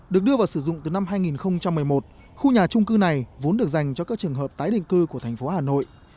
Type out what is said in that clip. được đưa vào sử dụng từ năm hai nghìn một mươi một khu nhà trung cư này vốn được dành cho các trường hợp tái định cư của thành phố hà nội